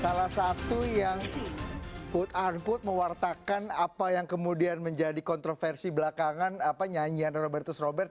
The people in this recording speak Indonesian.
salah satu yang quote unquote mewartakan apa yang kemudian menjadi kontroversi belakangan nyanyian robertus robert